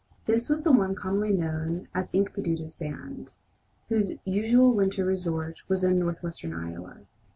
This was the one commonly known as Inkpaduta's band, whose usual winter resort was in northwestern Iowa.